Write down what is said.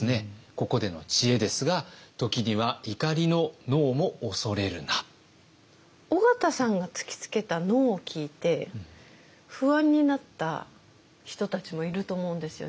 ここでの知恵ですが緒方さんが突きつけたＮＯを聞いて不安になった人たちもいると思うんですよね。